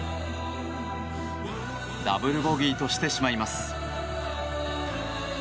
ダブルボギーとしてしまいます。